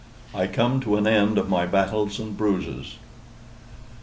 I COME TO AN END OF MY BATTLES AND BRUISES.